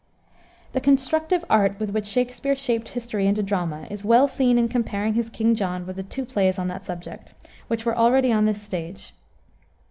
The constructive art with which Shakspere shaped history into drama is well seen in comparing his King John with the two plays on that subject, which were already on the stage.